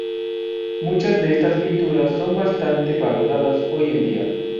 Muchas de estas pinturas son bastante valoradas hoy en día.